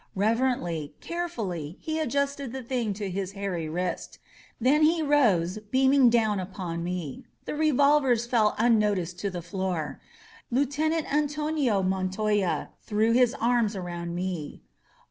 Reverently, carefully, he adjusted the thing to his hairy wrist. Then he rose, beaming down upon me. The revolvers fell unnoticed to the floor. Lieutenant Antonio Montoya threw his arms around me.